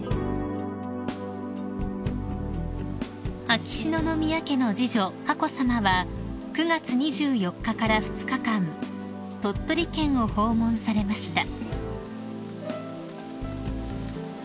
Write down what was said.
［秋篠宮家の次女佳子さまは９月２４日から２日間鳥取県を訪問されました］